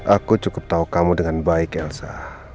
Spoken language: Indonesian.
aku cukup tahu kamu dengan baik elsa